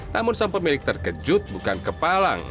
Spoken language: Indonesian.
namun sempat milik terkejut bukan kepalang